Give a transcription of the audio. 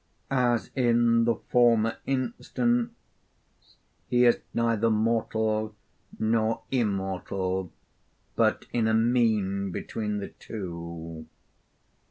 'As in the former instance, he is neither mortal nor immortal, but in a mean between the two.'